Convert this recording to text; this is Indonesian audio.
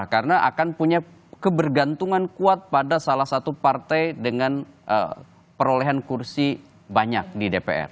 karena akan punya kebergantungan kuat pada salah satu partai dengan perolehan kursi banyak di dpr